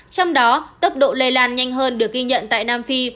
trong đó tốc độ lây lan nhanh hơn được ghi nhận tại nam phi